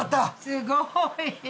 すごい！